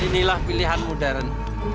inilah pilihanmu deren